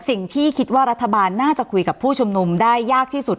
สิ่งที่คิดว่ารัฐบาลน่าจะคุยกับผู้ชุมนุมได้ยากที่สุด